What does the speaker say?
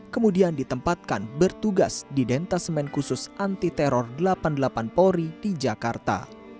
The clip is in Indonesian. kemudian ditempatkan bertugas di dentasemen khusus anti teror delapan puluh delapan polri di jakarta